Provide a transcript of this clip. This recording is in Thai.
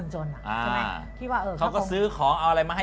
ชี่โมงนึง